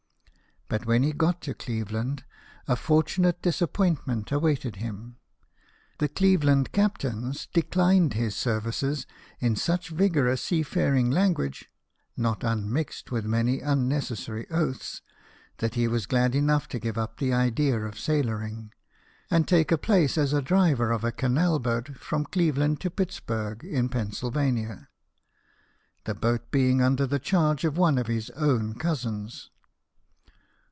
But when he got to Cleve land, a fortunate disappointment awaited him. The Cleveland captains declined his services in such vigorous seafaring language (not unmixed with many unnecessary oaths), that he was glacl enough to give up the idea of sailoring, and take a place as driver of a canal boat from Cleveland to Pittsburg in Pennsylvania, the boat being under the charge of one of his own cousins.